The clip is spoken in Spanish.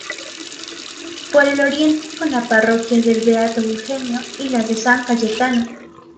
Por el oriente con la Parroquia del Beato Eugenio y la de San Cayetano.